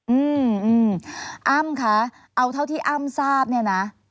อืมอ้ำคะเอาเท่าที่อ้ำทราบเนี่ยนะ